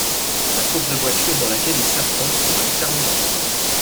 La course de voitures dans laquelle ils s'affrontent sera déterminante.